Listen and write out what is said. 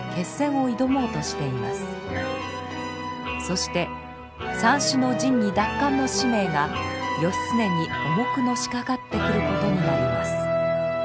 そして三種の神器奪還の使命が義経に重くのしかかってくることになります。